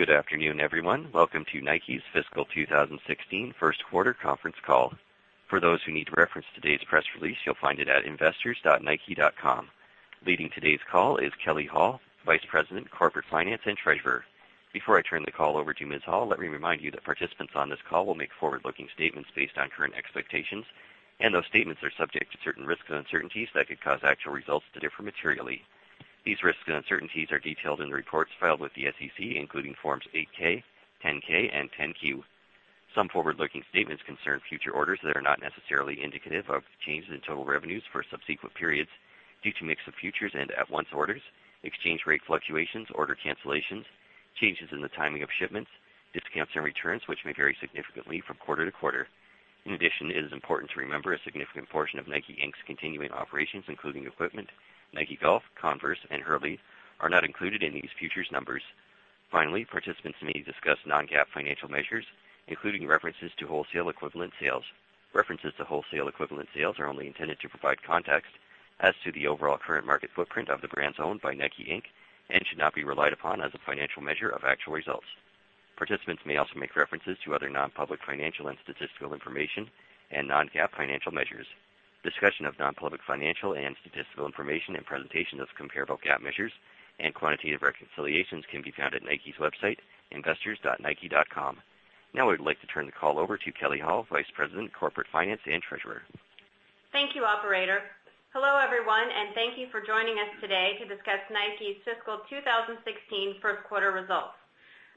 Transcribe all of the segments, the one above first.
Good afternoon, everyone. Welcome to Nike's fiscal 2016 first quarter conference call. For those who need to reference today's press release, you'll find it at investors.nike.com. Leading today's call is Kelley Hall, Vice President, Corporate Finance and Treasurer. Before I turn the call over to Ms. Hall, let me remind you that participants on this call will make forward-looking statements based on current expectations. Those statements are subject to certain risks and uncertainties that could cause actual results to differ materially. These risks and uncertainties are detailed in the reports filed with the SEC, including Forms 8-K, 10-K, and 10-Q. Some forward-looking statements concern future orders that are not necessarily indicative of changes in total revenues for subsequent periods due to mix of futures and at-once orders, exchange rate fluctuations, order cancellations, changes in the timing of shipments, discounts and returns, which may vary significantly from quarter to quarter. It is important to remember a significant portion of Nike Inc.'s continuing operations, including equipment, Nike Golf, Converse, and Hurley, are not included in these futures numbers. Participants may discuss non-GAAP financial measures, including references to wholesale equivalent sales. References to wholesale equivalent sales are only intended to provide context as to the overall current market footprint of the brands owned by Nike Inc. Should not be relied upon as a financial measure of actual results. Participants may also make references to other non-public financial and statistical information and non-GAAP financial measures. Discussion of non-public financial and statistical information and presentation of comparable GAAP measures and quantitative reconciliations can be found at Nike's website, investors.nike.com. I would like to turn the call over to Kelley Hall, Vice President, Corporate Finance and Treasurer. Thank you, operator. Hello, everyone, and thank you for joining us today to discuss Nike's fiscal 2016 first quarter results.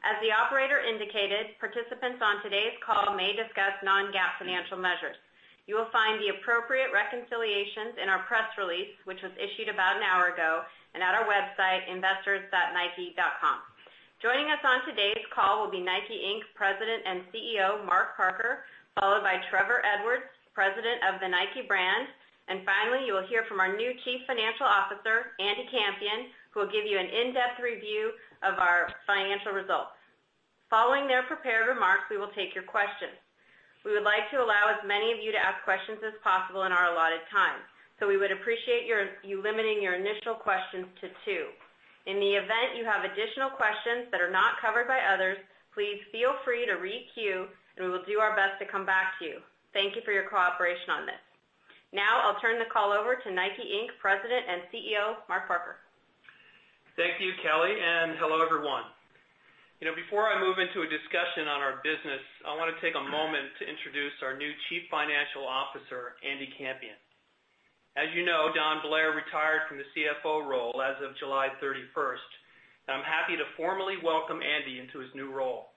As the operator indicated, participants on today's call may discuss non-GAAP financial measures. You will find the appropriate reconciliations in our press release, which was issued about an hour ago, and at our website, investors.nike.com. Joining us on today's call will be Nike Inc.'s President and CEO, Mark Parker, followed by Trevor Edwards, President of the Nike brand. Finally, you will hear from our new Chief Financial Officer, Andy Campion, who will give you an in-depth review of our financial results. Following their prepared remarks, we will take your questions. We would like to allow as many of you to ask questions as possible in our allotted time, we would appreciate you limiting your initial questions to two. In the event you have additional questions that are not covered by others, please feel free to re-queue. We will do our best to come back to you. Thank you for your cooperation on this. I'll turn the call over to Nike Inc.'s President and CEO, Mark Parker. Thank you, Kelley, and hello, everyone. Before I move into a discussion on our business, I want to take a moment to introduce our new Chief Financial Officer, Andy Campion. As you know, Don Blair retired from the CFO role as of July 31st, and I'm happy to formally welcome Andy into his new role.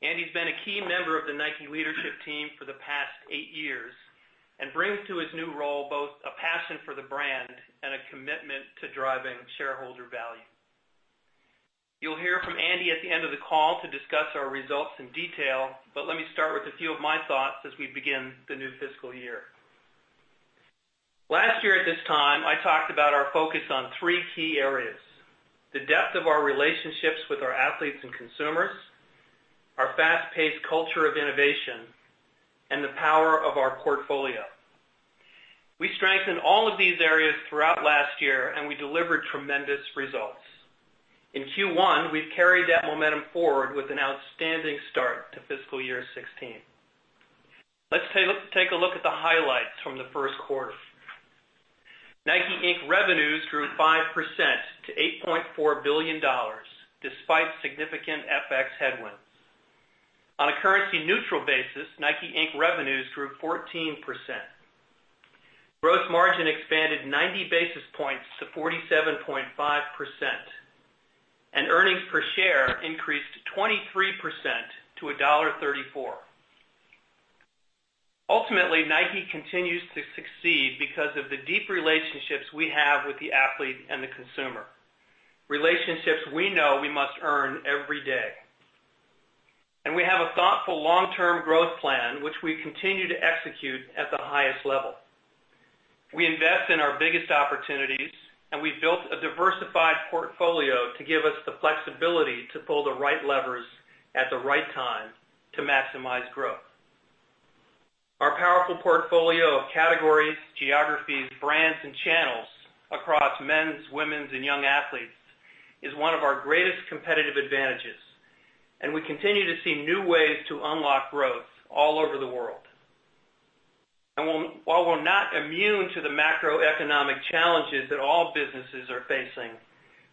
Andy's been a key member of the Nike leadership team for the past eight years and brings to his new role both a passion for the brand and a commitment to driving shareholder value. You'll hear from Andy at the end of the call to discuss our results in detail, but let me start with a few of my thoughts as we begin the new fiscal year. Last year at this time, I talked about our focus on three key areas, the depth of our relationships with our athletes and consumers, our fast-paced culture of innovation, and the power of our portfolio. We strengthened all of these areas throughout last year, and we delivered tremendous results. In Q1, we've carried that momentum forward with an outstanding start to fiscal year 2016. Let's take a look at the highlights from the first quarter. Nike, Inc. revenues grew 5% to $8.4 billion, despite significant FX headwinds. On a currency-neutral basis, Nike, Inc. revenues grew 14%. Gross margin expanded 90 basis points to 47.5%, and earnings per share increased 23% to $1.34. Ultimately, Nike continues to succeed because of the deep relationships we have with the athlete and the consumer. Relationships we know we must earn every day. We have a thoughtful long-term growth plan, which we continue to execute at the highest level. We invest in our biggest opportunities, and we've built a diversified portfolio to give us the flexibility to pull the right levers at the right time to maximize growth. Our powerful portfolio of categories, geographies, brands, and channels across men's, women's, and young athletes is one of our greatest competitive advantages, and we continue to see new ways to unlock growth all over the world. While we're not immune to the macroeconomic challenges that all businesses are facing,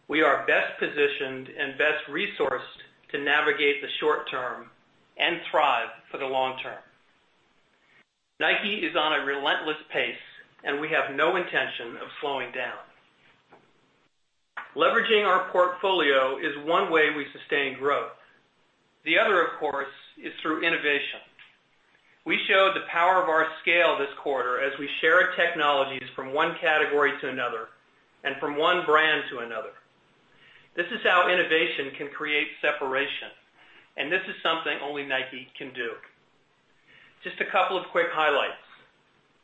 we are best positioned and best resourced to navigate the short term and thrive for the long term. Nike is on a relentless pace, and we have no intention of slowing down. Leveraging our portfolio is one way we sustain growth. The other, of course, is through innovation. We showed the power of our scale this quarter as we shared technologies from one category to another and from one brand to another. This is how innovation can create separation, and this is something only Nike can do. Just a couple of quick highlights.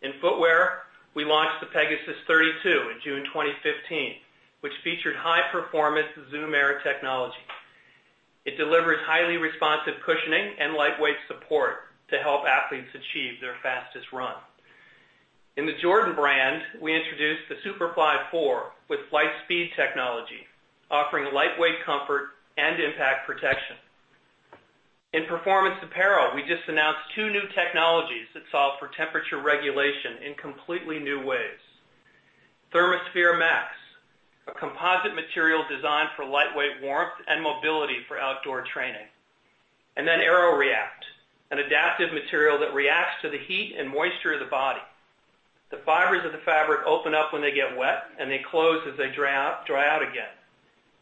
In footwear, we launched the Pegasus 32 in June 2015, which featured high-performance Zoom Air technology. It delivers highly responsive cushioning and lightweight support to help athletes achieve their fastest run. In the Jordan Brand, we introduced the Super.Fly 4 with Flight Speed technology, offering lightweight comfort and impact protection. In performance apparel, we just announced two new technologies that solve for temperature regulation in completely new ways. Therma-Sphere Max, a composite material designed for lightweight warmth and mobility for outdoor training. AeroReact, an adaptive material that reacts to the heat and moisture of the body. The fibers of the fabric open up when they get wet, and they close as they dry out again,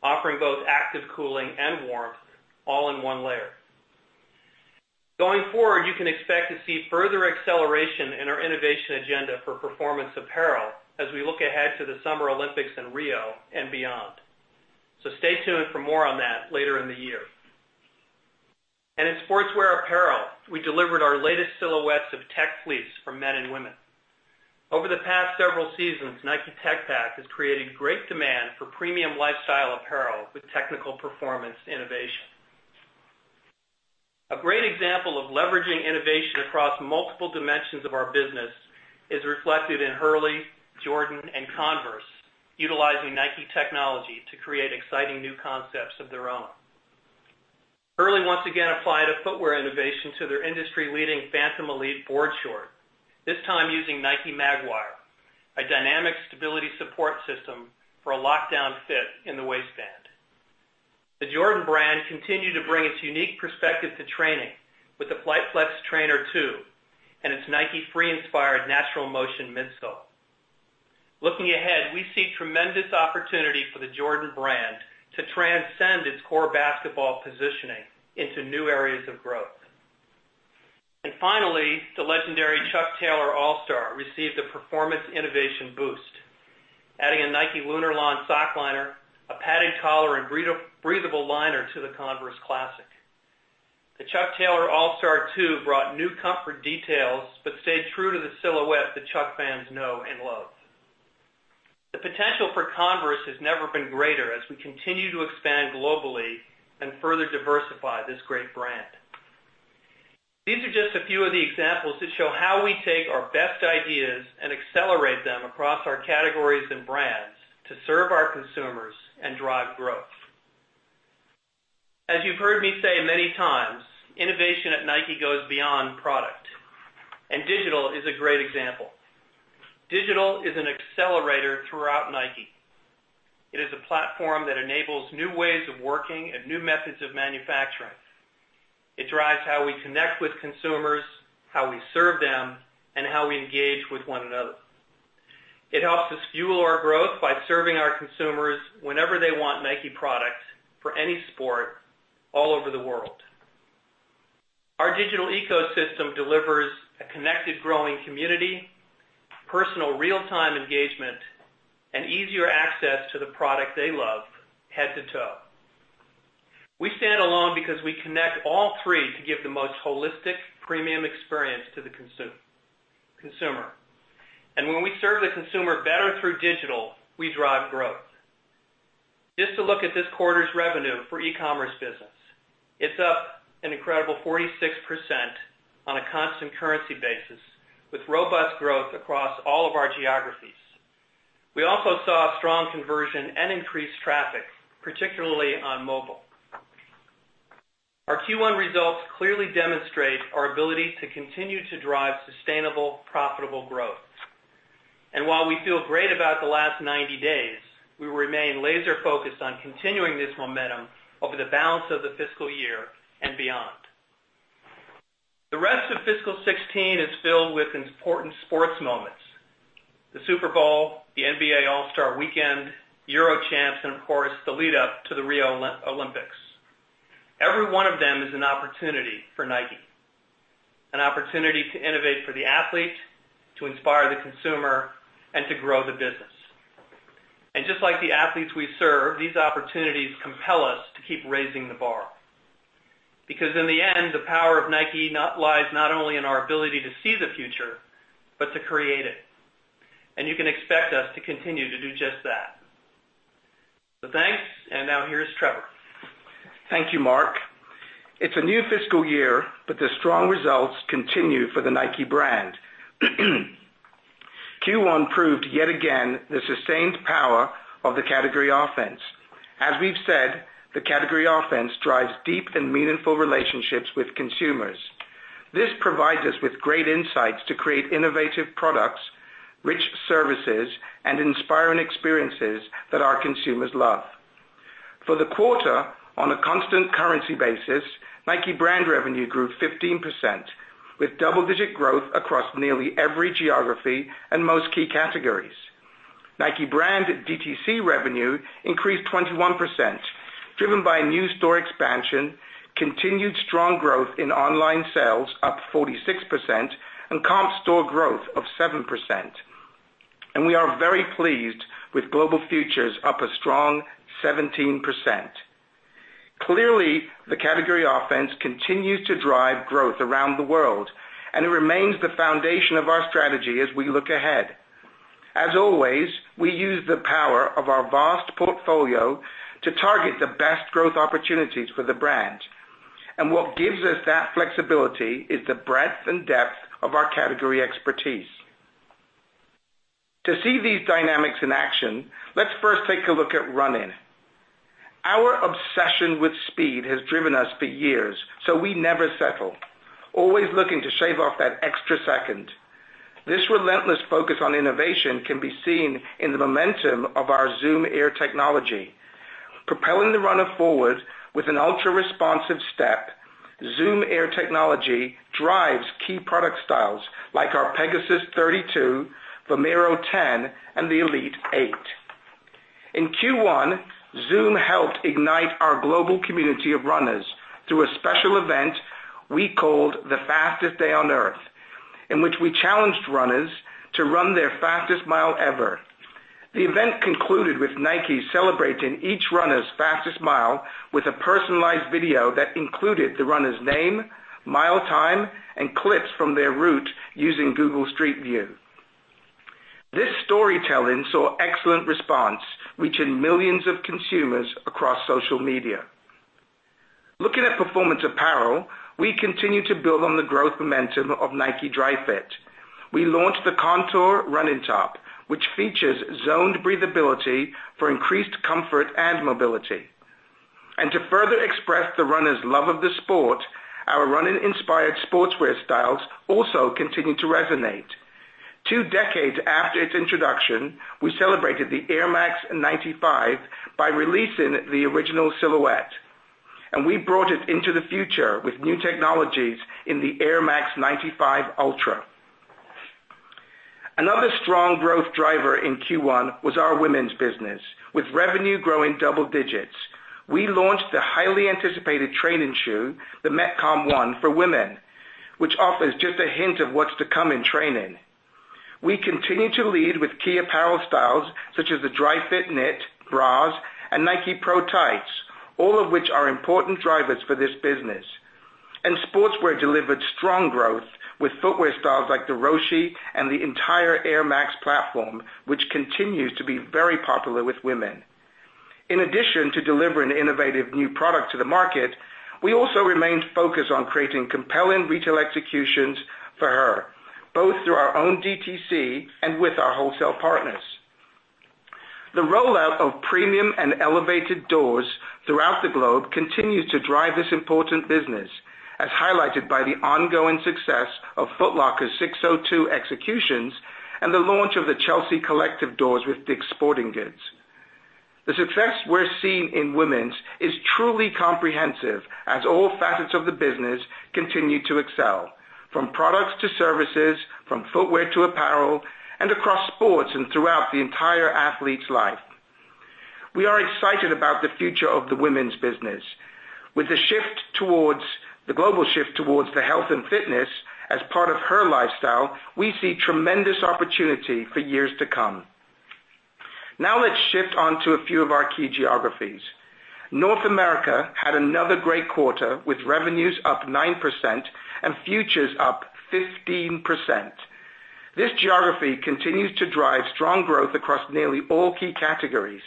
offering both active cooling and warmth all in one layer. You can expect to see further acceleration in our innovation agenda for performance apparel as we look ahead to the Summer Olympics in Rio and beyond. Stay tuned for more on that later in the year. In sportswear apparel, we delivered our latest silhouettes of Tech Fleece for men and women. Over the past several seasons, Nike Tech Pack has created great demand for premium lifestyle apparel with technical performance innovation. A great example of leveraging innovation across multiple dimensions of our business is reflected in Hurley, Jordan, and Converse, utilizing Nike technology to create exciting new concepts of their own. Hurley once again applied a footwear innovation to their industry-leading Phantom Elite board short, this time using Nike Flywire, a dynamic stability support system for a lockdown fit in the waistband. The Jordan Brand continued to bring its unique perspective to training with the Flight Flex Trainer 2 and its Nike Free-inspired natural motion midsole. Looking ahead, we see tremendous opportunity for the Jordan Brand to transcend its core basketball positioning into new areas of growth. Finally, the legendary Chuck Taylor All Star received a performance innovation boost, adding a Nike Lunarlon sock liner, a padded collar, and breathable liner to the Converse classic. The Chuck Taylor All Star II brought new comfort details but stayed true to the silhouette that Chuck fans know and love. The potential for Converse has never been greater as we continue to expand globally and further diversify this great brand. These are just a few of the examples that show how we take our best ideas and accelerate them across our categories and brands to serve our consumers and drive growth. As you've heard me say many times, innovation at Nike goes beyond product, digital is a great example. Digital is an accelerator throughout Nike. It is a platform that enables new ways of working and new methods of manufacturing. It drives how we connect with consumers, how we serve them, and how we engage with one another. It helps us fuel our growth by serving our consumers whenever they want Nike products for any sport, all over the world. Our digital ecosystem delivers a connected growing community, personal real-time engagement, and easier access to the product they love, head to toe. We stand alone because we connect all three to give the most holistic, premium experience to the consumer. When we serve the consumer better through digital, we drive growth. Just to look at this quarter's revenue for e-commerce business, it's up an incredible 46% on a constant currency basis, with robust growth across all of our geographies. We also saw strong conversion and increased traffic, particularly on mobile. Our Q1 results clearly demonstrate our ability to continue to drive sustainable, profitable growth. While we feel great about the last 90 days, we remain laser-focused on continuing this momentum over the balance of the fiscal year and beyond. The rest of fiscal 2016 is filled with important sports moments, the Super Bowl, the NBA All-Star Weekend, Euro Champs, and of course, the lead up to the Rio Olympics. Every one of them is an opportunity for Nike, an opportunity to innovate for the athlete, to inspire the consumer, and to grow the business. Just like the athletes we serve, these opportunities compel us to keep raising the bar, because in the end, the power of Nike lies not only in our ability to see the future, but to create it. You can expect us to continue to do just that. Thanks, and now here's Trevor. Thank you, Mark. It's a new fiscal year, the strong results continue for the Nike brand. Q1 proved yet again the sustained power of the category offense. As we've said, the category offense drives deep and meaningful relationships with consumers. This provides us with great insights to create innovative products, rich services, and inspiring experiences that our consumers love. For the quarter, on a constant currency basis, Nike brand revenue grew 15%, with double-digit growth across nearly every geography and most key categories. Nike brand DTC revenue increased 21%, driven by new store expansion, continued strong growth in online sales up 46%, and comp store growth of 7%. We are very pleased with global futures up a strong 17%. Clearly, the category offense continues to drive growth around the world, it remains the foundation of our strategy as we look ahead. As always, we use the power of our vast portfolio to target the best growth opportunities for the brand. What gives us that flexibility is the breadth and depth of our category expertise. To see these dynamics in action, let's first take a look at running. Our obsession with speed has driven us for years, we never settle, always looking to shave off that extra second. This relentless focus on innovation can be seen in the momentum of our Zoom Air technology. Propelling the runner forward with an ultra-responsive step, Zoom Air technology drives key product styles like our Pegasus 32, Vomero 10, and the Elite 8. In Q1, Zoom helped ignite our global community of runners through a special event we called The Fastest Day on Earth, in which we challenged runners to run their fastest mile ever. The event concluded with Nike celebrating each runner's fastest mile with a personalized video that included the runner's name, mile time, and clips from their route using Google Street View. This storytelling saw excellent response, reaching millions of consumers across social media. Looking at performance apparel, we continue to build on the growth momentum of Nike Dri-FIT. We launched the Contour running top, which features zoned breathability for increased comfort and mobility. To further express the runner's love of the sport, our running-inspired sportswear styles also continue to resonate. Two decades after its introduction, we celebrated the Air Max 95 by releasing the original silhouette, we brought it into the future with new technologies in the Air Max 95 Ultra. Another strong growth driver in Q1 was our women's business, with revenue growing double digits. We launched the highly anticipated training shoe, the Metcon 1 for women, which offers just a hint of what's to come in training. We continue to lead with key apparel styles such as the Dri-FIT knit bras, and Nike Pro Tights, all of which are important drivers for this business. Sportswear delivered strong growth with footwear styles like the Roshe and the entire Air Max platform, which continues to be very popular with women. In addition to delivering innovative new product to the market, we also remained focused on creating compelling retail executions for Her, both through our own DTC and with our wholesale partners. The rollout of premium and elevated doors throughout the globe continues to drive this important business, as highlighted by the ongoing success of Foot Locker's SIX:02 executions and the launch of the Chelsea Collective doors with DICK'S Sporting Goods. The success we're seeing in women's is truly comprehensive as all facets of the business continue to excel, from products to services, from footwear to apparel, and across sports and throughout the entire athlete's life. We are excited about the future of the women's business. With the global shift towards health and fitness as part of Her lifestyle, we see tremendous opportunity for years to come. Let's shift on to a few of our key geographies. North America had another great quarter, with revenues up 9% and futures up 15%. This geography continues to drive strong growth across nearly all key categories.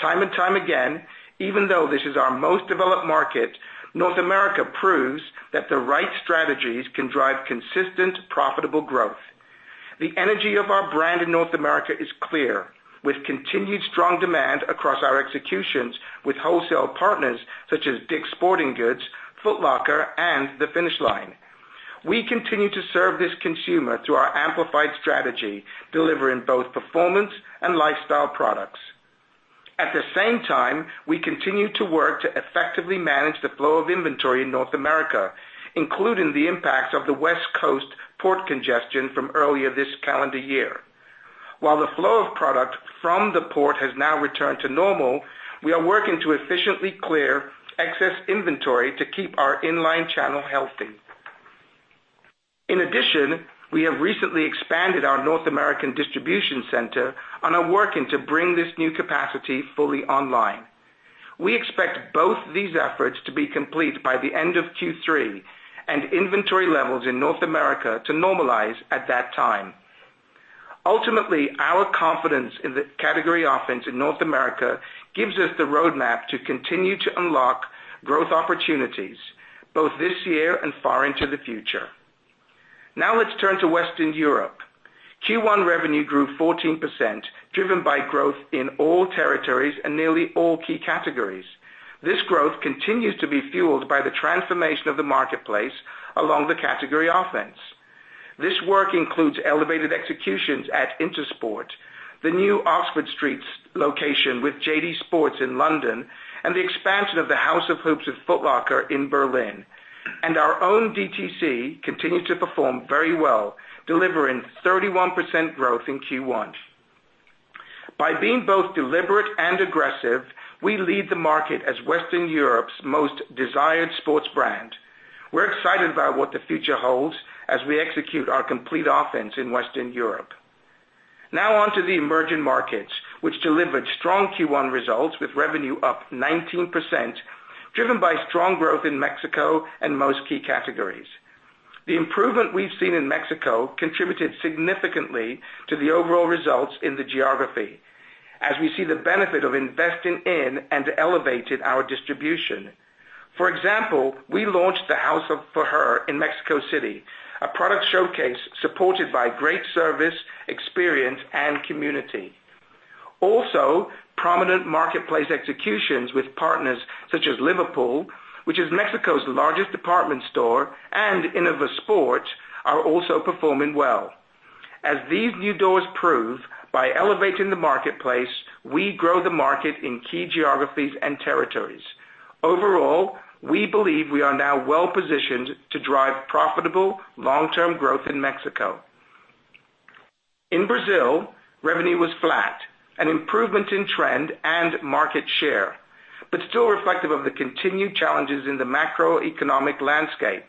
Time and time again, even though this is our most developed market, North America proves that the right strategies can drive consistent, profitable growth. The energy of our brand in North America is clear. With continued strong demand across our executions with wholesale partners such as DICK'S Sporting Goods, Foot Locker, and The Finish Line. We continue to serve this consumer through our amplified strategy, delivering both performance and lifestyle products. At the same time, we continue to work to effectively manage the flow of inventory in North America, including the impact of the West Coast port congestion from earlier this calendar year. While the flow of product from the port has now returned to normal, we are working to efficiently clear excess inventory to keep our inline channel healthy. In addition, we have recently expanded our North American distribution center and are working to bring this new capacity fully online. We expect both these efforts to be complete by the end of Q3 and inventory levels in North America to normalize at that time. Ultimately, our confidence in the category offense in North America gives us the roadmap to continue to unlock growth opportunities both this year and far into the future. Let's turn to Western Europe. Q1 revenue grew 14%, driven by growth in all territories and nearly all key categories. This growth continues to be fueled by the transformation of the marketplace along the category offense. This work includes elevated executions at Intersport, the new Oxford Street location with JD Sports in London, and the expansion of the House of Hoops with Foot Locker in Berlin. Our own DTC continued to perform very well, delivering 31% growth in Q1. By being both deliberate and aggressive, we lead the market as Western Europe's most desired sports brand. We're excited about what the future holds as we execute our complete offense in Western Europe. On to the emerging markets, which delivered strong Q1 results with revenue up 19%, driven by strong growth in Mexico and most key categories. The improvement we've seen in Mexico contributed significantly to the overall results in the geography, as we see the benefit of investing in and elevated our distribution. For example, we launched the House of For Her in Mexico City, a product showcase supported by great service, experience, and community. Prominent marketplace executions with partners such as Liverpool, which is Mexico's largest department store, and Innovasport are also performing well. As these new doors prove, by elevating the marketplace, we grow the market in key geographies and territories. We believe we are now well-positioned to drive profitable long-term growth in Mexico. In Brazil, revenue was flat, an improvement in trend and market share, but still reflective of the continued challenges in the macroeconomic landscape.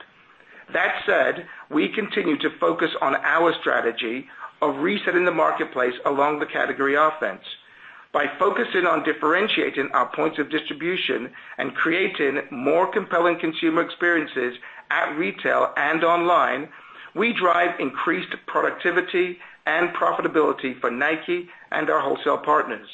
That said, we continue to focus on our strategy of resetting the marketplace along the category offense. By focusing on differentiating our points of distribution and creating more compelling consumer experiences at retail and online, we drive increased productivity and profitability for Nike and our wholesale partners.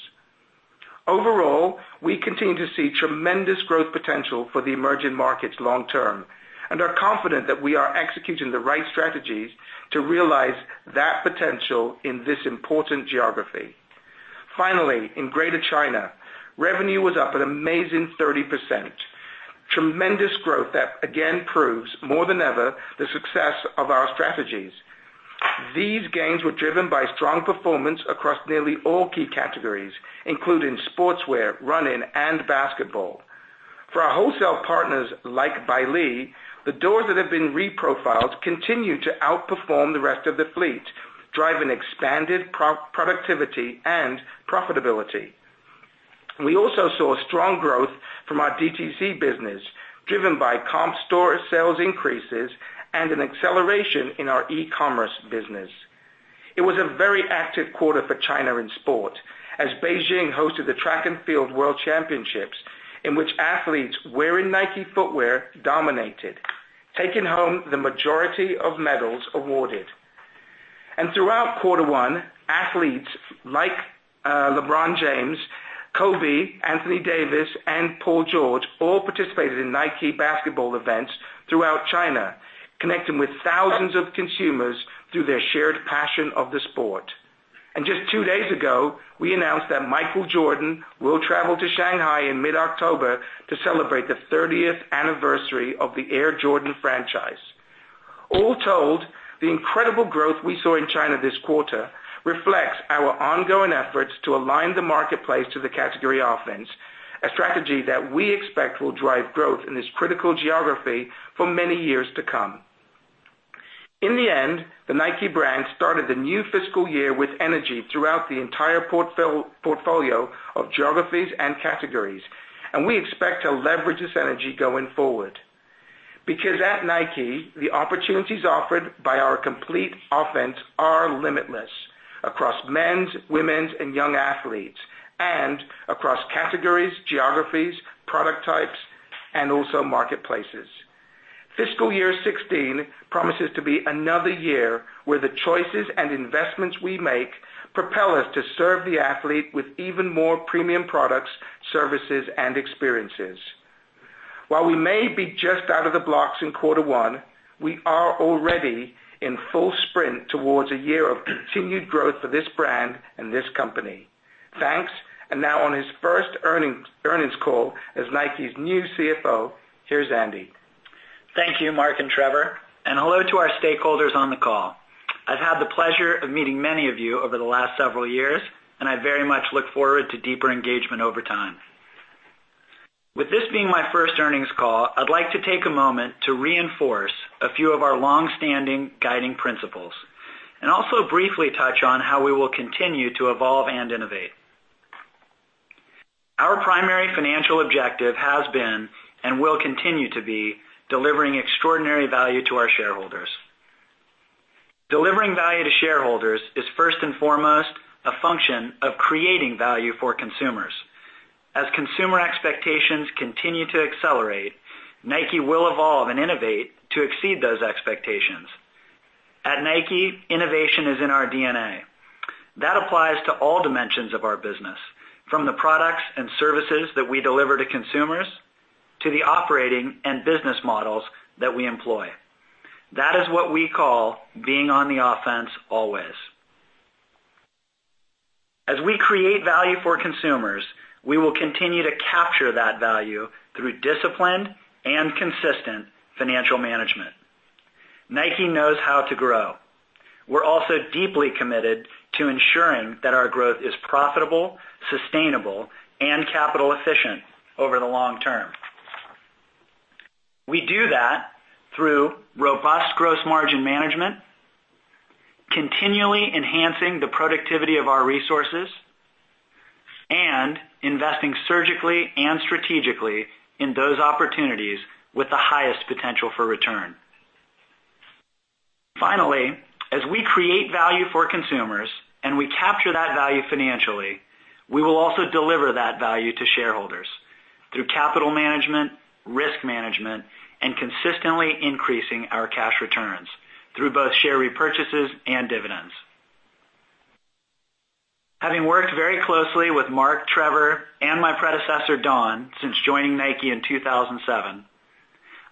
We continue to see tremendous growth potential for the emerging markets long term and are confident that we are executing the right strategies to realize that potential in this important geography. In Greater China, revenue was up an amazing 30%. Tremendous growth that, again, proves more than ever the success of our strategies. These gains were driven by strong performance across nearly all key categories, including sportswear, running, and basketball. For our wholesale partners like Belle International, the doors that have been reprofiled continue to outperform the rest of the fleet, driving expanded productivity and profitability. We also saw strong growth from our DTC business, driven by comp store sales increases and an acceleration in our e-commerce business. It was a very active quarter for China in sport, as Beijing hosted the World Athletics Championships, in which athletes wearing Nike footwear dominated, taking home the majority of medals awarded. Throughout quarter 1, athletes like LeBron James, Kobe, Anthony Davis, and Paul George all participated in Nike basketball events throughout China, connecting with thousands of consumers through their shared passion of the sport. Just two days ago, we announced that Michael Jordan will travel to Shanghai in mid-October to celebrate the 30th anniversary of the Air Jordan franchise. All told, the incredible growth we saw in China this quarter reflects our ongoing efforts to align the marketplace to the category offense, a strategy that we expect will drive growth in this critical geography for many years to come. In the end, the Nike brand started the new fiscal year with energy throughout the entire portfolio of geographies and categories, and we expect to leverage this energy going forward. At Nike, the opportunities offered by our complete offense are limitless across men's, women's, and young athletes and across categories, geographies, product types, and also marketplaces. Fiscal year 2016 promises to be another year where the choices and investments we make propel us to serve the athlete with even more premium products, services, and experiences. While we may be just out of the blocks in quarter one, we are already in full sprint towards a year of continued growth for this brand and this company. Thanks. Now on his first earnings call as Nike's new CFO, here's Andy. Thank you, Mark and Trevor, hello to our stakeholders on the call. I've had the pleasure of meeting many of you over the last several years, I very much look forward to deeper engagement over time. With this being my first earnings call, I'd like to take a moment to reinforce a few of our longstanding guiding principles and also briefly touch on how we will continue to evolve and innovate. Our primary financial objective has been and will continue to be delivering extraordinary value to our shareholders. Delivering value to shareholders is first and foremost a function of creating value for consumers. As consumer expectations continue to accelerate, Nike will evolve and innovate to exceed those expectations. At Nike, innovation is in our DNA. That applies to all dimensions of our business, from the products and services that we deliver to consumers, to the operating and business models that we employ. That is what we call being on the offense always. As we create value for consumers, we will continue to capture that value through disciplined and consistent financial management. Nike knows how to grow. We're also deeply committed to ensuring that our growth is profitable, sustainable, and capital efficient over the long term. We do that through robust gross margin management, continually enhancing the productivity of our resources, investing surgically and strategically in those opportunities with the highest potential for return. Finally, as we create value for consumers, we capture that value financially, we will also deliver that value to shareholders through capital management, risk management, consistently increasing our cash returns through both share repurchases and dividends. Having worked very closely with Mark, Trevor, and my predecessor, Don, since joining Nike in 2007,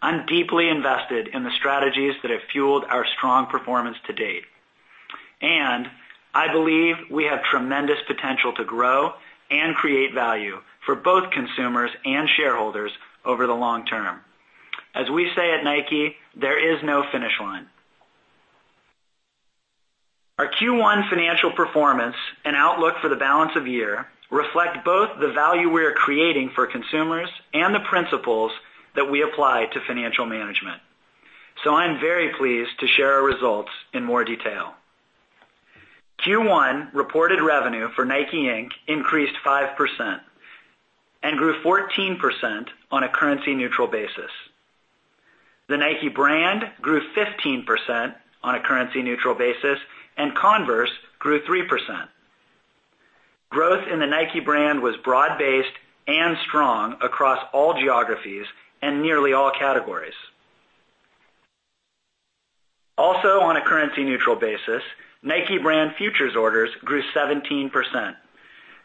I'm deeply invested in the strategies that have fueled our strong performance to date, I believe we have tremendous potential to grow and create value for both consumers and shareholders over the long term. As we say at Nike, there is no finish line. Our Q1 financial performance and outlook for the balance of the year reflect both the value we are creating for consumers and the principles that we apply to financial management. I'm very pleased to share our results in more detail. Q1 reported revenue for Nike Inc. increased 5% and grew 14% on a currency-neutral basis. The Nike brand grew 15% on a currency-neutral basis, and Converse grew 3%. Growth in the Nike brand was broad-based and strong across all geographies and nearly all categories. Also on a currency-neutral basis, Nike Brand futures orders grew 17%,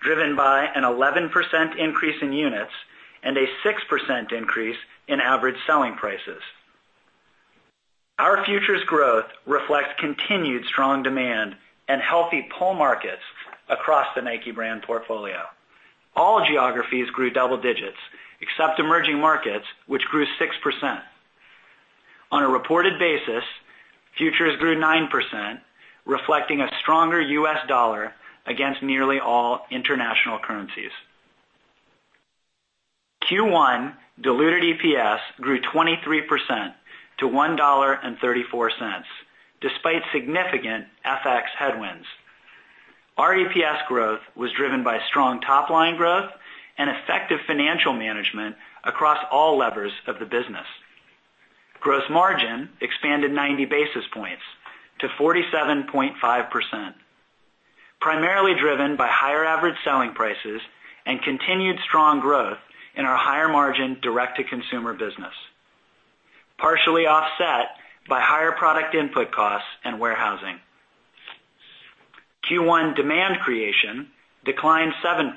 driven by an 11% increase in units and a 6% increase in average selling prices. Our futures growth reflects continued strong demand and healthy pull markets across the Nike Brand portfolio. All geographies grew double digits except emerging markets, which grew 6%. On a reported basis, futures grew 9%, reflecting a stronger U.S. dollar against nearly all international currencies. Q1 diluted EPS grew 23% to $1.34, despite significant FX headwinds. Our EPS growth was driven by strong top-line growth and effective financial management across all levers of the business. Gross margin expanded 90 basis points to 47.5%, primarily driven by higher average selling prices and continued strong growth in our higher-margin direct-to-consumer business, partially offset by higher product input costs and warehousing. Q1 demand creation declined 7%,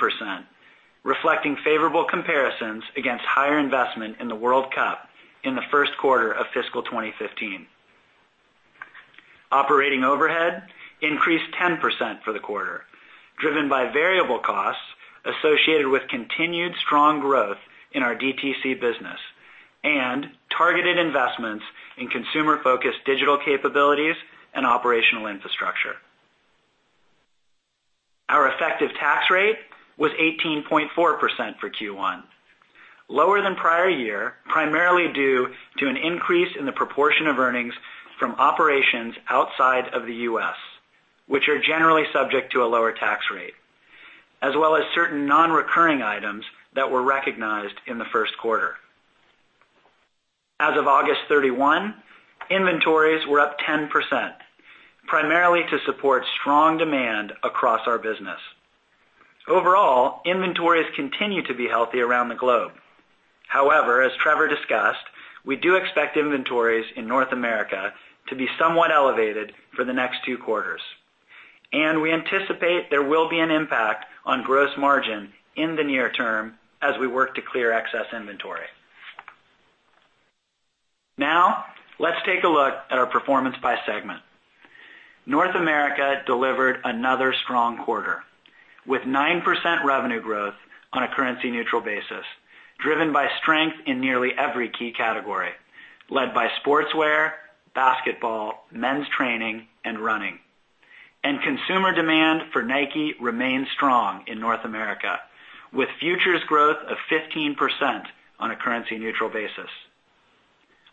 reflecting favorable comparisons against higher investment in the World Cup in the first quarter of fiscal 2015. Operating overhead increased 10% for the quarter, driven by variable costs associated with continued strong growth in our DTC business and targeted investments in consumer-focused digital capabilities and operational infrastructure. Our effective tax rate was 18.4% for Q1, lower than prior year, primarily due to an increase in the proportion of earnings from operations outside of the U.S., which are generally subject to a lower tax rate, as well as certain non-recurring items that were recognized in the first quarter. As of August 31, inventories were up 10%, primarily to support strong demand across our business. Overall, inventories continue to be healthy around the globe. As Trevor discussed, we do expect inventories in North America to be somewhat elevated for the next two quarters, and we anticipate there will be an impact on gross margin in the near term as we work to clear excess inventory. Let's take a look at our performance by segment. North America delivered another strong quarter, with 9% revenue growth on a currency-neutral basis, driven by strength in nearly every key category, led by sportswear, basketball, men's training, and running. Consumer demand for Nike remains strong in North America, with futures growth of 15% on a currency-neutral basis.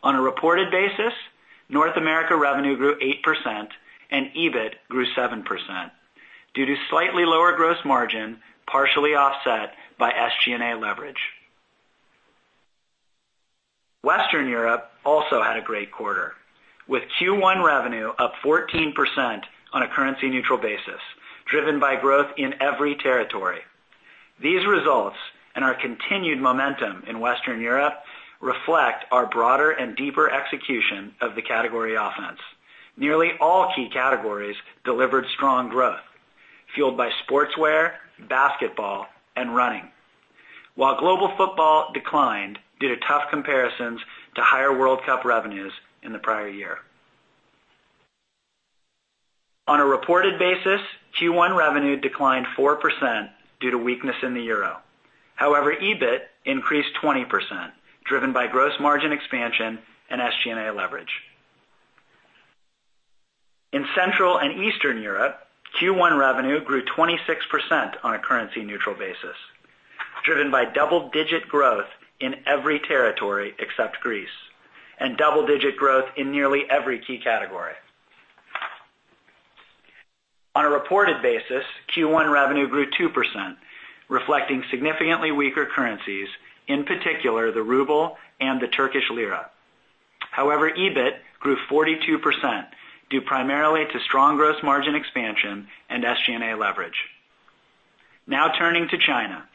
On a reported basis, North America revenue grew 8% and EBIT grew 7%, due to slightly lower gross margin, partially offset by SG&A leverage. Western Europe also had a great quarter, with Q1 revenue up 14% on a currency-neutral basis, driven by growth in every territory. These results and our continued momentum in Western Europe reflect our broader and deeper execution of the category offense. Nearly all key categories delivered strong growth, fueled by sportswear, basketball, and running. Global football declined due to tough comparisons to higher World Cup revenues in the prior year. On a reported basis, Q1 revenue declined 4% due to weakness in the euro. EBIT increased 20%, driven by gross margin expansion and SG&A leverage. In Central and Eastern Europe, Q1 revenue grew 26% on a currency-neutral basis, driven by double-digit growth in every territory except Greece and double-digit growth in nearly every key category. On a reported basis, Q1 revenue grew 2%, reflecting significantly weaker currencies, in particular the ruble and the Turkish lira. EBIT grew 42%, due primarily to strong gross margin expansion and SG&A leverage. Turning to China,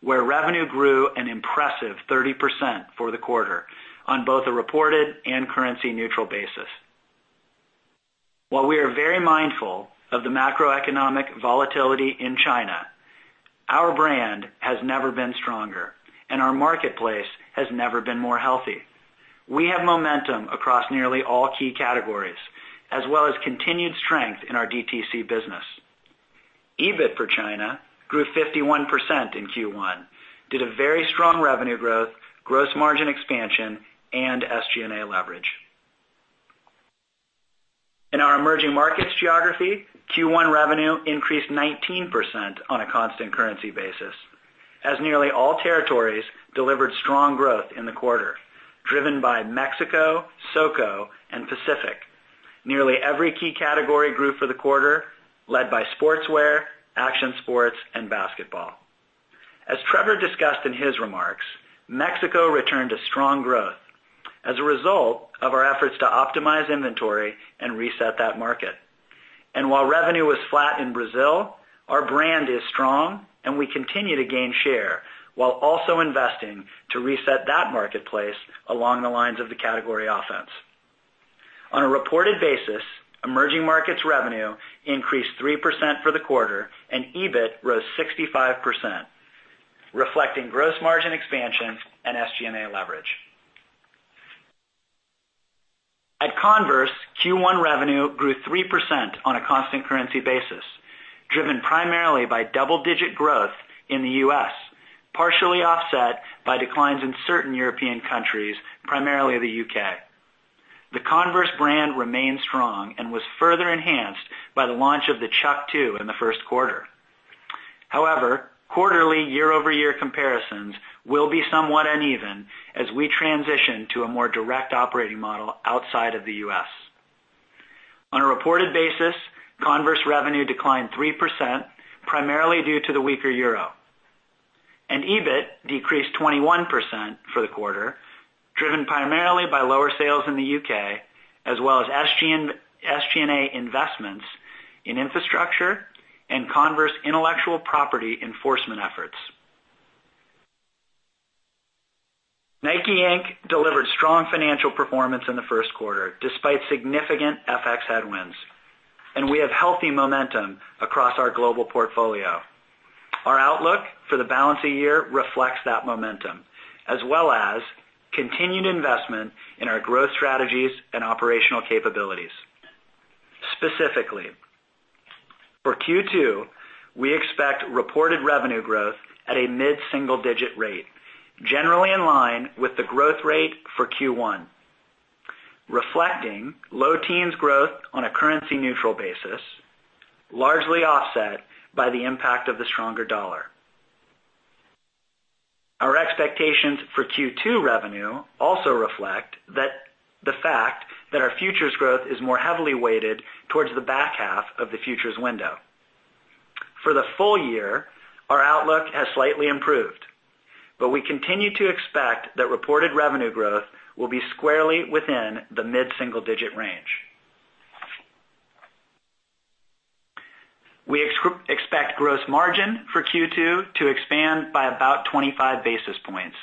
where revenue grew an impressive 30% for the quarter on both a reported and currency-neutral basis. While we are very mindful of the macroeconomic volatility in China, our brand has never been stronger, and our marketplace has never been more healthy. We have momentum across nearly all key categories, as well as continued strength in our DTC business. EBIT for China grew 51% in Q1, due to very strong revenue growth, gross margin expansion, and SG&A leverage. In our emerging markets geography, Q1 revenue increased 19% on a constant currency basis as nearly all territories delivered strong growth in the quarter, driven by Mexico, SoCo, and Pacific. Nearly every key category grew for the quarter, led by sportswear, action sports, and basketball. As Trevor discussed in his remarks, Mexico returned to strong growth as a result of our efforts to optimize inventory and reset that market. While revenue was flat in Brazil, our brand is strong, and we continue to gain share while also investing to reset that marketplace along the lines of the category offense. On a reported basis, emerging markets revenue increased 3% for the quarter, and EBIT rose 65%, reflecting gross margin expansion and SG&A leverage. At Converse, Q1 revenue grew 3% on a constant currency basis, driven primarily by double-digit growth in the U.S., partially offset by declines in certain European countries, primarily the U.K. The Converse brand remains strong and was further enhanced by the launch of the Chuck 2 in the first quarter. However, quarterly year-over-year comparisons will be somewhat uneven as we transition to a more direct operating model outside of the U.S. On a reported basis, Converse revenue declined 3%, primarily due to the weaker euro, and EBIT decreased 21% for the quarter, driven primarily by lower sales in the U.K., as well as SG&A investments in infrastructure and Converse intellectual property enforcement efforts. Nike, Inc. delivered strong financial performance in the first quarter, despite significant FX headwinds, and we have healthy momentum across our global portfolio. Our outlook for the balance of the year reflects that momentum, as well as continued investment in our growth strategies and operational capabilities. Specifically, for Q2, we expect reported revenue growth at a mid-single-digit rate, generally in line with the growth rate for Q1, reflecting low teens growth on a currency-neutral basis, largely offset by the impact of the stronger dollar. Our expectations for Q2 revenue also reflect the fact that our futures growth is more heavily weighted towards the back half of the futures window. For the full year, our outlook has slightly improved, we continue to expect that reported revenue growth will be squarely within the mid-single-digit range. We expect gross margin for Q2 to expand by about 25 basis points,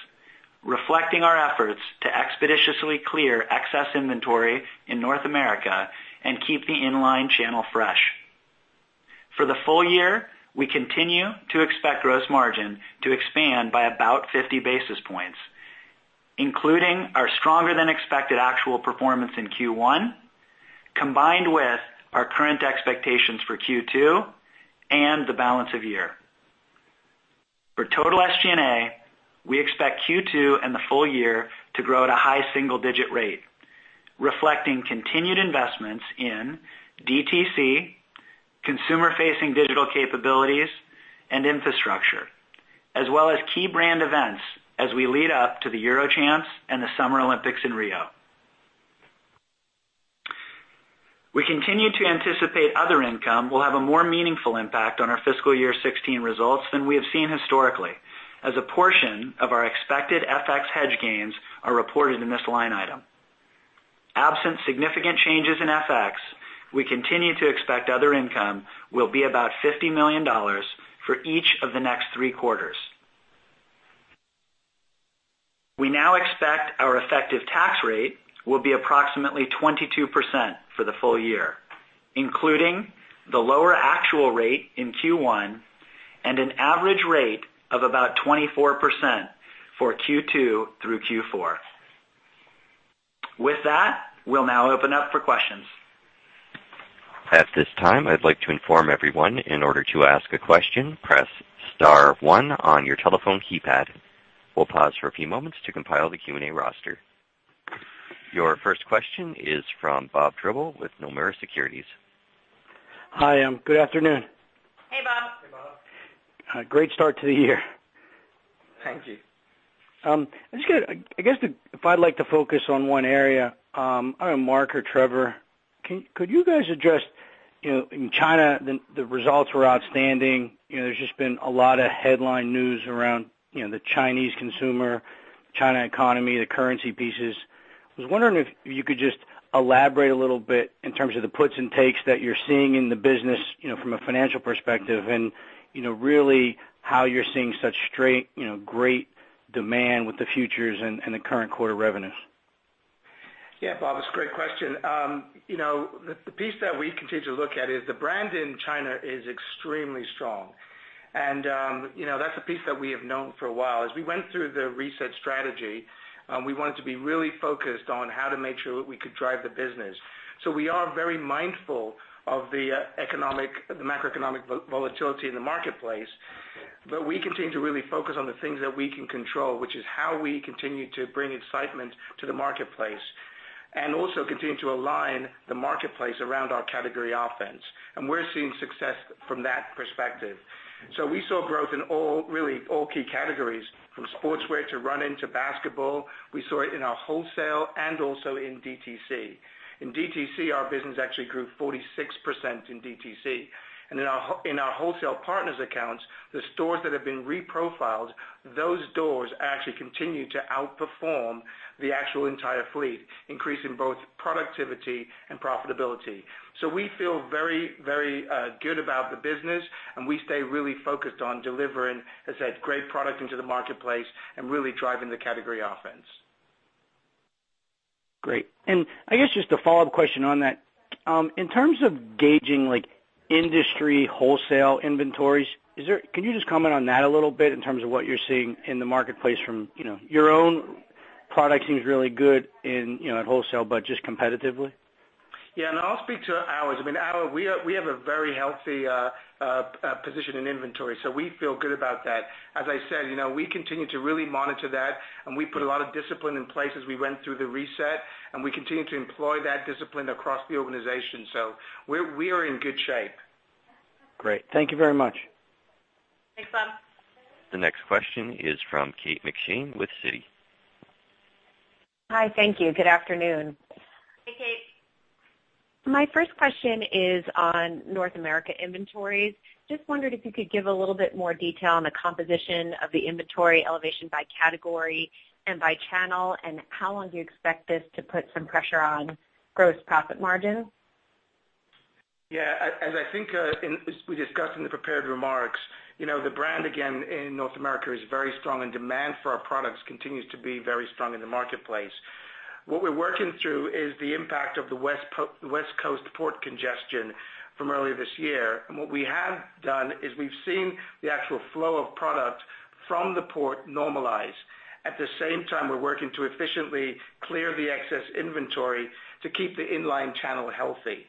reflecting our efforts to expeditiously clear excess inventory in North America and keep the inline channel fresh. For the full year, we continue to expect gross margin to expand by about 50 basis points, including our stronger-than-expected actual performance in Q1, combined with our current expectations for Q2 and the balance of the year. For total SG&A, we expect Q2 and the full year to grow at a high single-digit rate, reflecting continued investments in DTC, consumer-facing digital capabilities, and infrastructure, as well as key brand events as we lead up to the Euro Champs and the Summer Olympics in Rio. We continue to anticipate other income will have a more meaningful impact on our fiscal year 2016 results than we have seen historically, as a portion of our expected FX hedge gains are reported in this line item. Absent significant changes in FX, we continue to expect other income will be about $50 million for each of the next three quarters. We now expect our effective tax rate will be approximately 22% for the full year, including the lower actual rate in Q1 and an average rate of about 24% for Q2 through Q4. With that, we'll now open up for questions. At this time, I'd like to inform everyone, in order to ask a question, press star one on your telephone keypad. We'll pause for a few moments to compile the Q&A roster. Your first question is from Bob Drbul with Nomura Securities. Hi, good afternoon. Great start to the year. Thank you. I guess if I'd like to focus on one area, either Mark or Trevor, could you guys address in China, the results were outstanding. There's just been a lot of headline news around the Chinese consumer, China economy, the currency pieces. I was wondering if you could just elaborate a little bit in terms of the puts and takes that you're seeing in the business from a financial perspective, and really how you're seeing such great demand with the futures and the current quarter revenues. Yeah, Bob, it's a great question. The piece that we continue to look at is the brand in China is extremely strong. That's a piece that we have known for a while. As we went through the reset strategy, we wanted to be really focused on how to make sure that we could drive the business. We are very mindful of the macroeconomic volatility in the marketplace, we continue to really focus on the things that we can control, which is how we continue to bring excitement to the marketplace, and also continue to align the marketplace around our category offense. We're seeing success from that perspective. We saw growth in really all key categories, from sportswear to running to basketball. We saw it in our wholesale and also in DTC. In DTC, our business actually grew 46% in DTC. In our wholesale partners accounts, the stores that have been reprofiled, those stores actually continue to outperform the actual entire fleet, increasing both productivity and profitability. We feel very good about the business, we stay really focused on delivering, as I said, great product into the marketplace and really driving the category offense. Great. I guess just a follow-up question on that. In terms of gauging industry wholesale inventories, can you just comment on that a little bit in terms of what you're seeing in the marketplace from your own product seems really good in wholesale, but just competitively? Yeah, I'll speak to ours. We have a very healthy position in inventory, so we feel good about that. As I said, we continue to really monitor that, and we put a lot of discipline in place as we went through the reset, and we continue to employ that discipline across the organization. We are in good shape. Great. Thank you very much. Thanks, Bob. The next question is from Kate McShane with Citi. Hi. Thank you. Good afternoon. Hey, Kate. My first question is on North America inventories. Just wondered if you could give a little bit more detail on the composition of the inventory elevation by category and by channel, and how long do you expect this to put some pressure on gross profit margin? Yeah. As I think we discussed in the prepared remarks, the brand, again, in North America is very strong, and demand for our products continues to be very strong in the marketplace. What we're working through is the impact of the West Coast port congestion from earlier this year. What we have done is we've seen the actual flow of product from the port normalize. At the same time, we're working to efficiently clear the excess inventory to keep the inline channel healthy.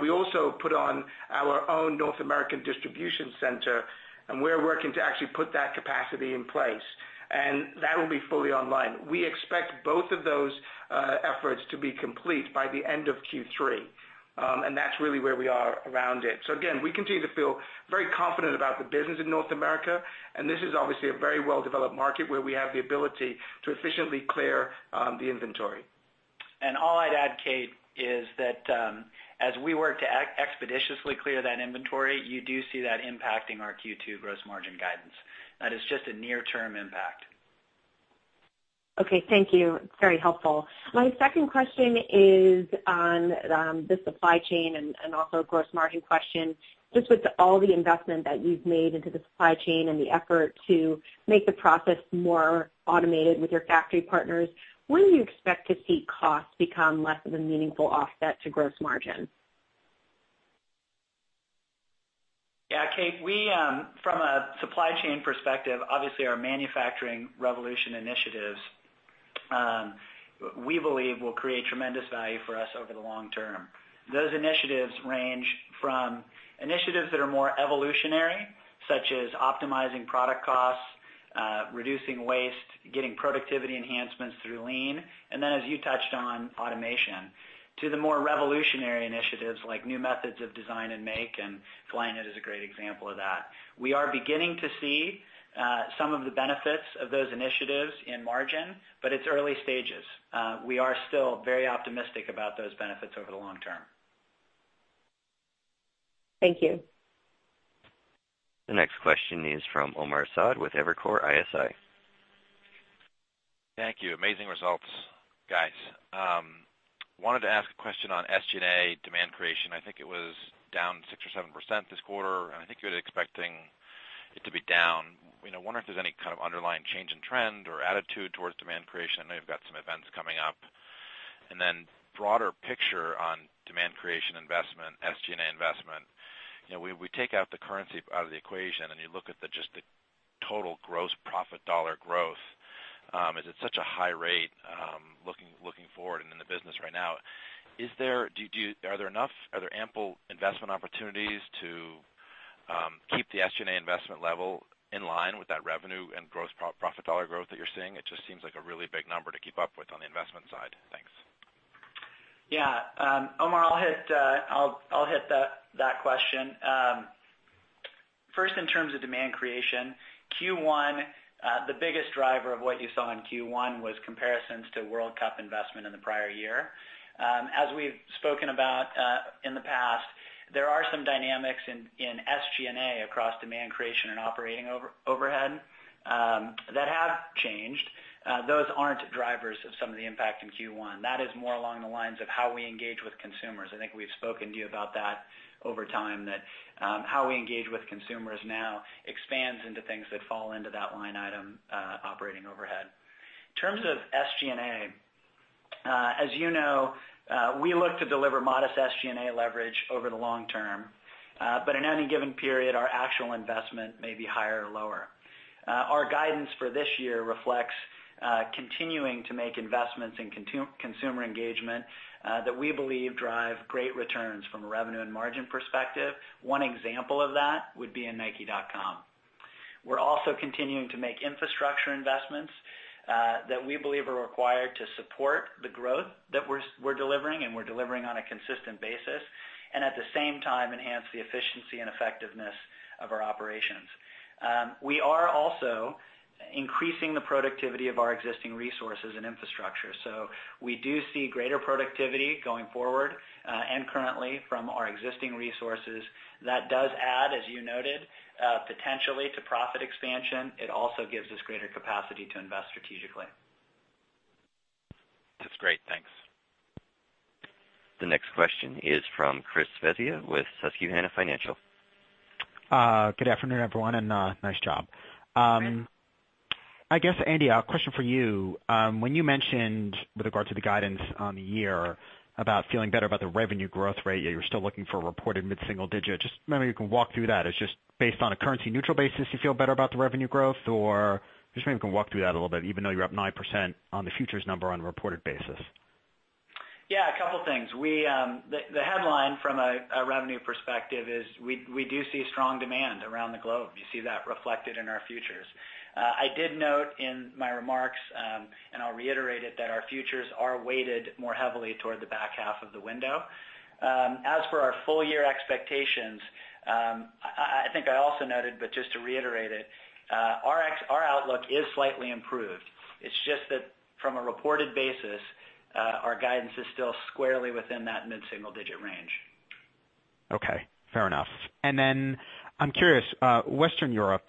We also put on our own North American distribution center, and we're working to actually put that capacity in place, and that will be fully online. We expect both of those efforts to be complete by the end of Q3, and that's really where we are around it. Again, we continue to feel very confident about the business in North America, and this is obviously a very well-developed market where we have the ability to efficiently clear the inventory. All I'd add, Kate, is that as we work to expeditiously clear that inventory, you do see that impacting our Q2 gross margin guidance. That is just a near-term impact. Okay. Thank you. It's very helpful. My second question is on the supply chain and also a gross margin question. Just with all the investment that you've made into the supply chain and the effort to make the process more automated with your factory partners, when do you expect to see costs become less of a meaningful offset to gross margin? Yeah, Kate, from a supply chain perspective, obviously our manufacturing revolution initiatives, we believe will create tremendous value for us over the long term. Those initiatives range from initiatives that are more evolutionary, such as optimizing product costs, reducing waste, getting productivity enhancements through lean, and then as you touched on, automation. To the more revolutionary initiatives, like new methods of design and make, and Flyknit is a great example of that. It's early stages. We are still very optimistic about those benefits over the long term. Thank you. The next question is from Omar Saad with Evercore ISI. Thank you. Amazing results, guys. Wanted to ask a question on SG&A demand creation. I think it was down 6% or 7% this quarter, and I think you're expecting it to be down. I wonder if there's any kind of underlying change in trend or attitude towards demand creation. I know you've got some events coming up. Broader picture on demand creation investment, SG&A investment. We take out the currency out of the equation. You look at just the total gross profit dollar growth. Is it such a high rate looking forward and in the business right now? Are there ample investment opportunities to keep the SG&A investment level in line with that revenue and gross profit dollar growth that you're seeing? It just seems like a really big number to keep up with on the investment side. Thanks. Yeah. Omar, I'll hit that question. First, in terms of demand creation, Q1, the biggest driver of what you saw in Q1 was comparisons to World Cup investment in the prior year. As we've spoken about in the past, there are some dynamics in SG&A across demand creation and operating overhead that have changed. Those aren't drivers of some of the impact in Q1. That is more along the lines of how we engage with consumers. I think we've spoken to you about that over time, that how we engage with consumers now expands into things that fall into that line item, operating overhead. In terms of SG&A, as you know, we look to deliver modest SG&A leverage over the long term. In any given period, our actual investment may be higher or lower. Our guidance for this year reflects continuing to make investments in consumer engagement that we believe drive great returns from a revenue and margin perspective. One example of that would be in nike.com. We're also continuing to make infrastructure investments that we believe are required to support the growth that we're delivering, and we're delivering on a consistent basis, and at the same time enhance the efficiency and effectiveness of our operations. We are also increasing the productivity of our existing resources and infrastructure. We do see greater productivity going forward and currently from our existing resources. That does add, as you noted, potentially to profit expansion. It also gives us greater capacity to invest strategically. That's great. Thanks. The next question is from Chris Svezia with Susquehanna Financial. Good afternoon, everyone, and nice job. I guess, Andy, a question for you. When you mentioned with regard to the guidance on the year about feeling better about the revenue growth rate, yet you're still looking for a reported mid-single digit. Just wondering if you can walk through that. It's just based on a currency neutral basis, you feel better about the revenue growth? Just wondering if you can walk through that a little bit, even though you're up 9% on the futures number on a reported basis. A couple of things. The headline from a revenue perspective is we do see strong demand around the globe. You see that reflected in our futures. I did note in my remarks, and I'll reiterate it, that our futures are weighted more heavily toward the back half of the window. As for our full year expectations, I think I also noted, but just to reiterate it, our outlook is slightly improved. It's just that from a reported basis, our guidance is still squarely within that mid-single digit range. Okay. Fair enough. I'm curious, Western Europe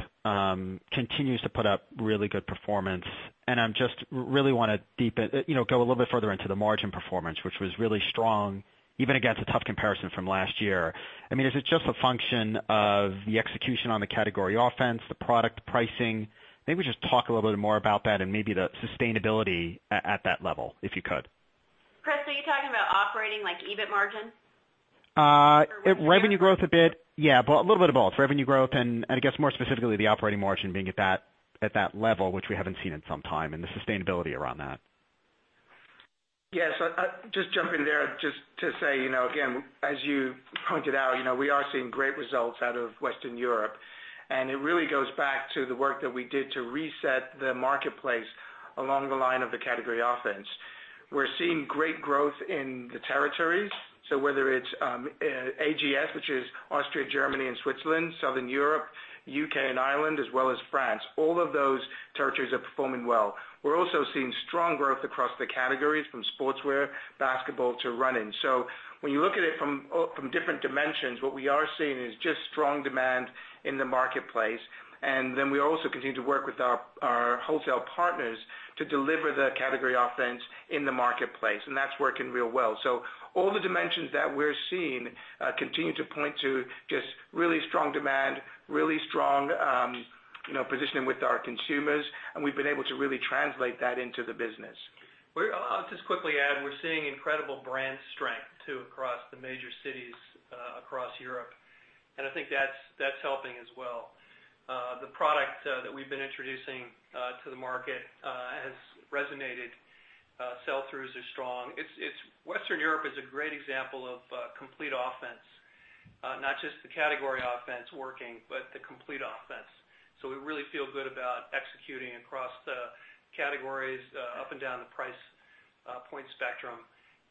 continues to put up really good performance, and I just really want to go a little bit further into the margin performance, which was really strong, even against a tough comparison from last year. Is it just a function of the execution on the category offense, the product pricing? Maybe just talk a little bit more about that and maybe the sustainability at that level, if you could. Chris, are you talking about operating like EBIT margin? Revenue growth a bit. A little bit of both. Revenue growth and I guess more specifically, the operating margin being at that level, which we haven't seen in some time, and the sustainability around that. Yes. Just jump in there just to say, again, as you pointed out, we are seeing great results out of Western Europe, and it really goes back to the work that we did to reset the marketplace along the line of the category offense. We're seeing great growth in the territories. Whether it's AGS, which is Austria, Germany and Switzerland, Southern Europe, U.K. and Ireland, as well as France, all of those territories are performing well. We're also seeing strong growth across the categories from sportswear, basketball to running. When you look at it from different dimensions, what we are seeing is just strong demand in the marketplace. We also continue to work with our wholesale partners to deliver the category offense in the marketplace, and that's working real well. All the dimensions that we're seeing continue to point to just really strong demand, really strong positioning with our consumers, and we've been able to really translate that into the business. I'll just quickly add, we're seeing incredible brand strength too across the major cities across Europe, and I think that's helping as well. The product that we've been introducing to the market has resonated. Sell-throughs are strong. Western Europe is a great example of complete offense, not just the category offense working, but the complete offense. We really feel good about executing across the categories up and down the price point spectrum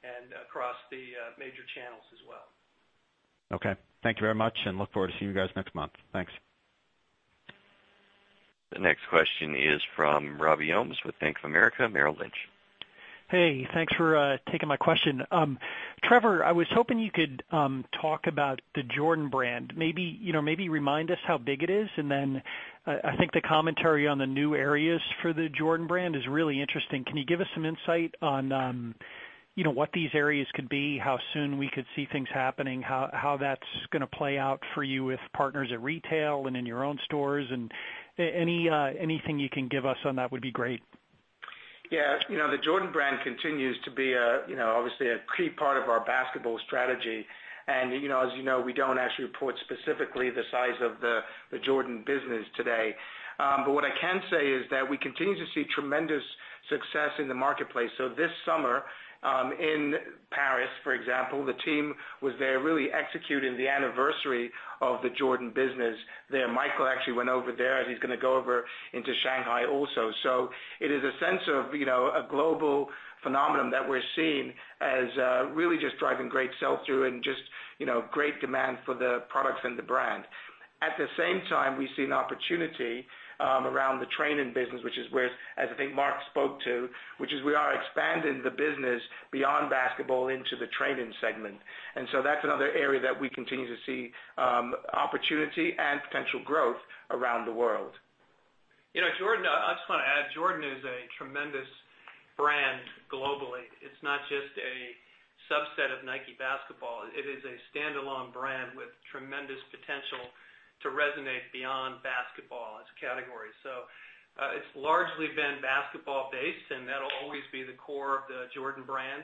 and across the major channels as well. Okay. Thank you very much, and look forward to seeing you guys next month. Thanks. The next question is from Robert Ohmes with Bank of America Merrill Lynch. Hey, thanks for taking my question. Trevor, I was hoping you could talk about the Jordan Brand. Maybe remind us how big it is, I think the commentary on the new areas for the Jordan Brand is really interesting. Can you give us some insight on what these areas could be, how soon we could see things happening, how that's going to play out for you with partners at retail and in your own stores? Anything you can give us on that would be great. Yeah. The Jordan Brand continues to be obviously a key part of our basketball strategy. As you know, we don't actually report specifically the size of the Jordan business today. What I can say is that we continue to see tremendous success in the marketplace. This summer, in Paris, for example, the team was there really executing the anniversary of the Jordan business there. Michael actually went over there as he's going to go over into Shanghai also. It is a sense of a global phenomenon that we're seeing as really just driving great sell-through and just great demand for the products and the brand. At the same time, we see an opportunity around the training business, which is where, as I think Mark spoke to, which is we are expanding the business beyond basketball into the training segment. That's another area that we continue to see opportunity and potential growth around the world. Jordan, I just want to add, Jordan is a tremendous brand globally. It's not just a subset of Nike basketball. It is a standalone brand with tremendous potential to resonate beyond basketball as a category. It's largely been basketball based, and that'll always be the core of the Jordan Brand.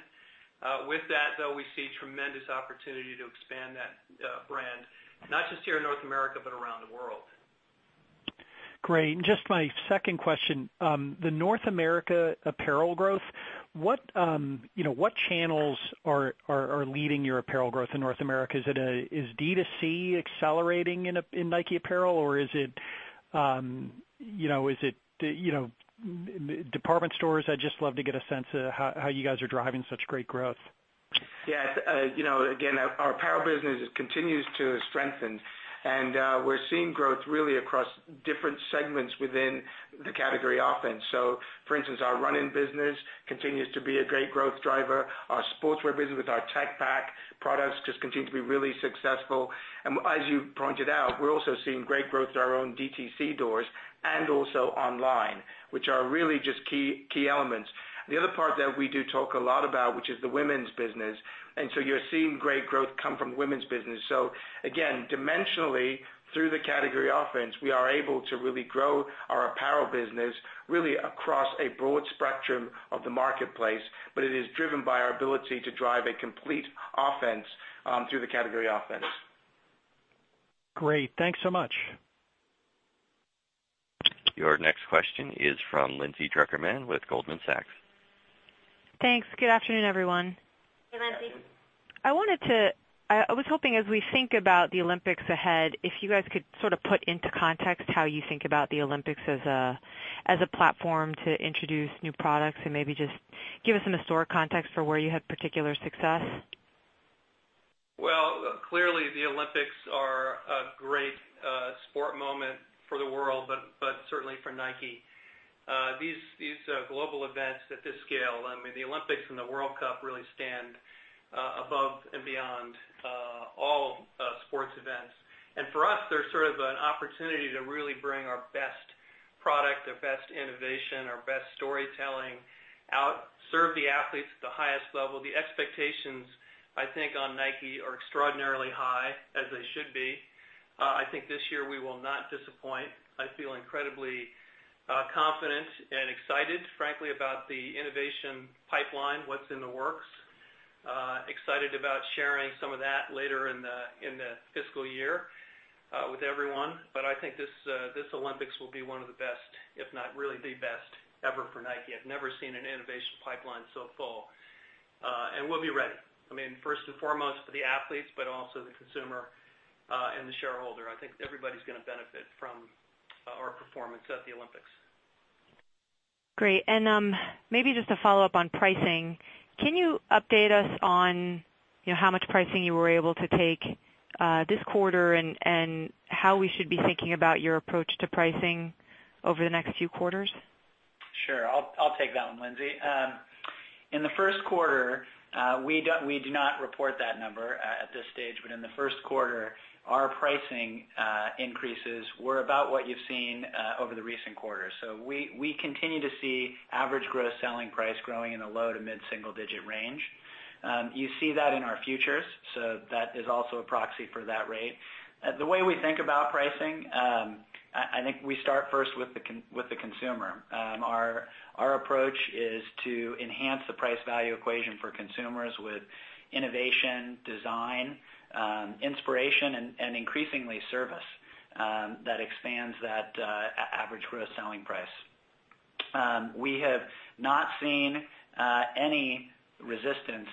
With that, though, we see tremendous opportunity to expand that brand, not just here in North America, but around the world. Great. Just my second question, the North America apparel growth, what channels are leading your apparel growth in North America? Is DTC accelerating in Nike apparel, or is it department stores? I'd just love to get a sense of how you guys are driving such great growth. Again, our apparel business continues to strengthen, and we're seeing growth really across different segments within the category offense. For instance, our running business continues to be a great growth driver. Our sportswear business with our Tech Pack products just continue to be really successful. As you pointed out, we're also seeing great growth in our own DTC doors and also online, which are really just key elements. The other part that we do talk a lot about, which is the women's business, you're seeing great growth come from women's business. Again, dimensionally through the category offense, we are able to really grow our apparel business really across a broad spectrum of the marketplace. It is driven by our ability to drive a complete offense through the category offense. Great. Thanks so much. Your next question is from Lindsay Drucker Mann with Goldman Sachs. Thanks. Good afternoon, everyone. Hey, Lindsay. I was hoping as we think about the Olympics ahead, if you guys could sort of put into context how you think about the Olympics as a platform to introduce new products and maybe just give us some historic context for where you had particular success. Well, clearly the Olympics are a great sport moment for the world, certainly for Nike. These global events at this scale, I mean, the Olympics and the World Cup really stand above and beyond all sports events. For us, they're sort of an opportunity to really bring our best product, our best innovation, our best storytelling out, serve the athletes at the highest level. The expectations, I think, on Nike are extraordinarily high, as they should be. I think this year we will not disappoint. I feel incredibly confident and excited, frankly, about the innovation pipeline, what's in the works. Excited about sharing some of that later in the fiscal year with everyone. I think this Olympics will be one of the best, if not really the best ever for Nike. I've never seen an innovation pipeline so full. We'll be ready, I mean, first and foremost for the athletes, but also the consumer and the shareholder. I think everybody's going to benefit from our performance at the Olympics. Great. Maybe just a follow-up on pricing. Can you update us on how much pricing you were able to take this quarter and how we should be thinking about your approach to pricing over the next few quarters? Sure. I'll take that one, Lindsay. In the first quarter, we do not report that number at this stage, but in the first quarter, our pricing increases were about what you've seen over the recent quarters. We continue to see average gross selling price growing in the low to mid-single digit range. You see that in our futures. That is also a proxy for that rate. The way we think about pricing, I think we start first with the consumer. Our approach is to enhance the price-value equation for consumers with innovation, design, inspiration, and increasingly service that expands that average gross selling price. We have not seen any resistance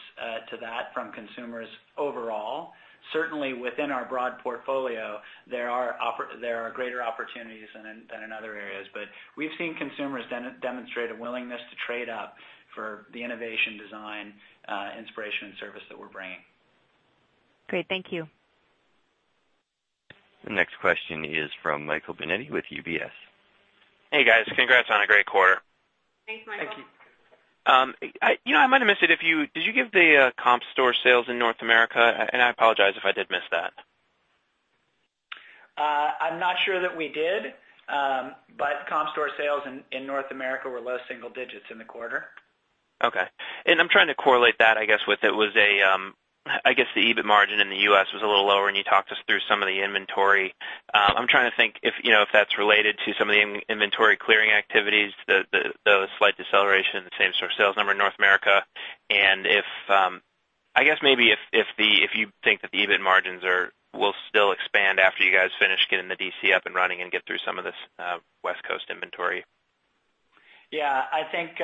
to that from consumers overall. Certainly within our broad portfolio, there are greater opportunities than in other areas. We've seen consumers demonstrate a willingness to trade up for the innovation, design, inspiration, and service that we're bringing. Great. Thank you. The next question is from Michael Binetti with UBS. Hey, guys. Congrats on a great quarter. Thanks, Michael. Thank you. I might have missed it. Did you give the comp store sales in North America? I apologize if I did miss that. I'm not sure that we did, but comp store sales in North America were low single digits in the quarter. Okay. I'm trying to correlate that, I guess, with, I guess the EBIT margin in the U.S. was a little lower, and you talked us through some of the inventory. I'm trying to think if that's related to some of the inventory clearing activities, the slight deceleration in the same store sales number in North America, and I guess maybe if you think that the EBIT margins will still expand after you guys finish getting the DC up and running and get through some of this West Coast inventory. Yeah, I think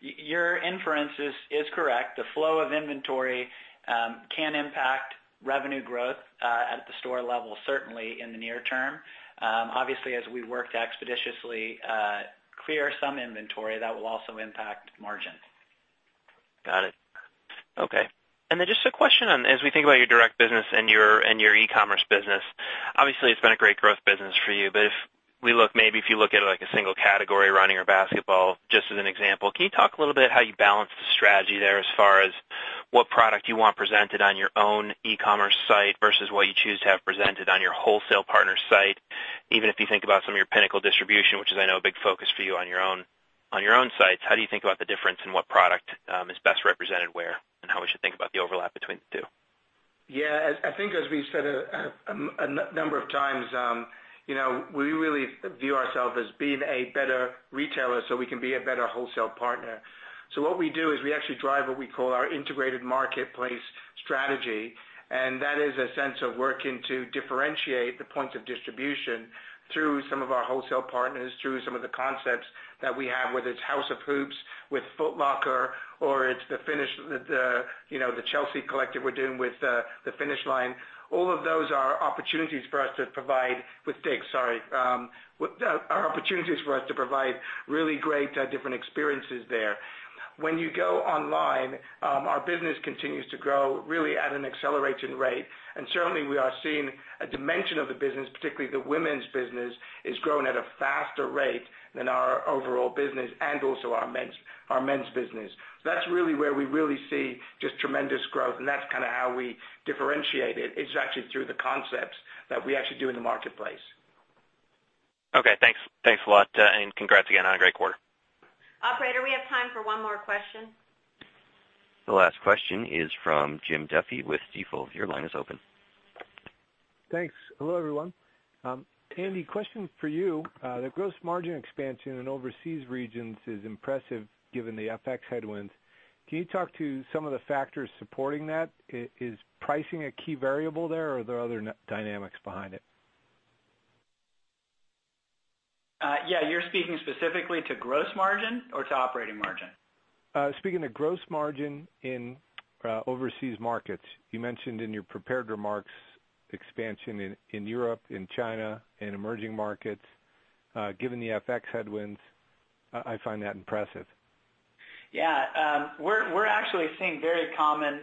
your inference is correct. The flow of inventory can impact revenue growth at the store level, certainly in the near term. Obviously, as we work to expeditiously clear some inventory, that will also impact margin. Got it. Okay. Just a question on, as we think about your direct business and your e-commerce business. Obviously, it's been a great growth business for you. If we look maybe if you look at it like a single category, running or basketball, just as an example, can you talk a little bit how you balance the strategy there as far as what product you want presented on your own e-commerce site versus what you choose to have presented on your wholesale partner site? Even if you think about some of your pinnacle distribution, which is, I know, a big focus for you on your own sites, how do you think about the difference in what product, is best represented where, and how we should think about the overlap between the two? Yeah. I think as we've said a number of times, we really view ourself as being a better retailer so we can be a better wholesale partner. What we do is we actually drive what we call our integrated marketplace strategy, That is a sense of working to differentiate the points of distribution through some of our wholesale partners, through some of the concepts that we have, whether it's House of Hoops with Foot Locker or it's the Chelsea Collective we're doing with The Finish Line. All of those are opportunities for us to provide with DICK'S, sorry. Are opportunities for us to provide really great, different experiences there. When you go online, our business continues to grow really at an accelerating rate. Certainly we are seeing a dimension of the business, particularly the women's business, is growing at a faster rate than our overall business and also our men's business. That's really where we really see just tremendous growth, and that's how we differentiate it. It's actually through the concepts that we actually do in the marketplace. Okay, thanks. Thanks a lot. Congrats again on a great quarter. Operator, we have time for one more question. The last question is from Jim Duffy with Stifel. Your line is open. Thanks. Hello, everyone. Andy, question for you. The gross margin expansion in overseas regions is impressive given the FX headwinds. Can you talk to some of the factors supporting that? Is pricing a key variable there, or are there other dynamics behind it? You're speaking specifically to gross margin or to operating margin? Speaking to gross margin in overseas markets. You mentioned in your prepared remarks expansion in Europe, in China, in emerging markets. Given the FX headwinds, I find that impressive. We're actually seeing very common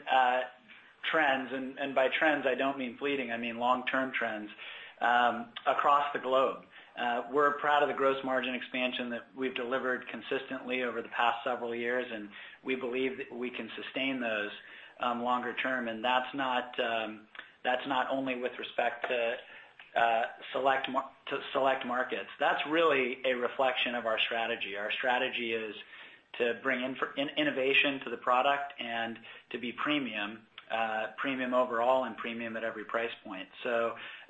trends, and by trends, I don't mean fleeting, I mean long-term trends, across the globe. We're proud of the gross margin expansion that we've delivered consistently over the past several years, and we believe that we can sustain those longer term. That's not only with respect to select markets. That's really a reflection of our strategy. Our strategy is to bring innovation to the product and to be premium. Premium overall and premium at every price point.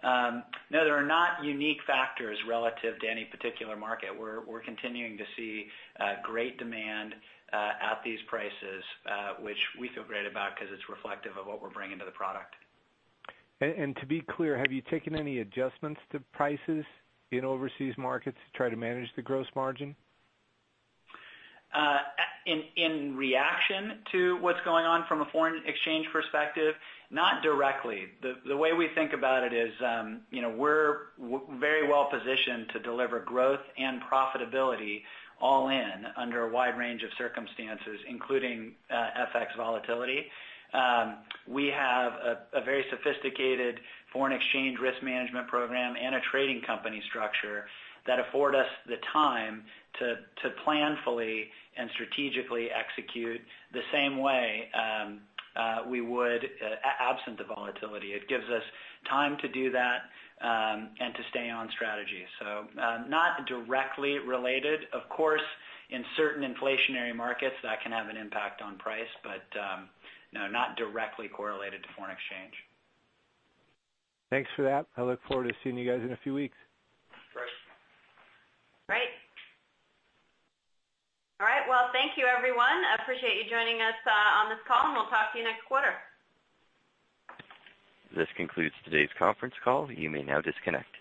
No, there are not unique factors relative to any particular market. We're continuing to see great demand at these prices, which we feel great about because it's reflective of what we're bringing to the product. To be clear, have you taken any adjustments to prices in overseas markets to try to manage the gross margin? In reaction to what's going on from a foreign exchange perspective, not directly. The way we think about it is, we're very well positioned to deliver growth and profitability all in under a wide range of circumstances, including FX volatility. We have a very sophisticated foreign exchange risk management program and a trading company structure that afford us the time to plan fully and strategically execute the same way we would, absent the volatility. It gives us time to do that, and to stay on strategy. Not directly related. Of course, in certain inflationary markets, that can have an impact on price, but no, not directly correlated to foreign exchange. Thanks for that. I look forward to seeing you guys in a few weeks. Great. Great. All right. Thank you everyone. Appreciate you joining us on this call, we'll talk to you next quarter. This concludes today's conference call. You may now disconnect.